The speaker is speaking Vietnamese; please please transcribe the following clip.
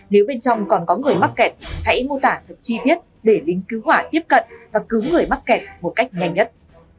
nếu bên trong còn có người mắc kẹt hãy mô tả thật chi tiết để lính cứu hỏa tiếp cận và cứu người mắc kẹt một cách nhanh nhất